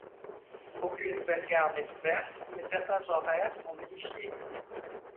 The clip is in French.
Aucune nouvelle gare n'est ouverte mais certains horaires sont modifiés.